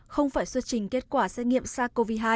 không phải xuất trình kết quả xét nghiệm sars cov hai